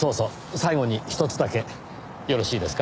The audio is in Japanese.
最後にひとつだけよろしいですか？